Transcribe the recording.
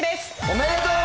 ・おめでとう！